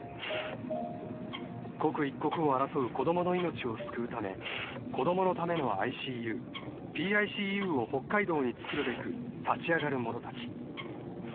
［刻一刻を争う子供の命を救うため子供のためのＩＣＵＰＩＣＵを北海道に作るべく立ち上がる者たち］